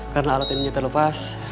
karena alat impiannya terlepas